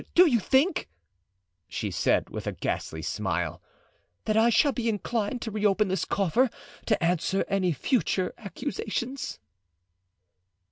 Do you think," she said, with a ghastly smile, "that I shall be inclined to reopen this coffer to answer any future accusations?"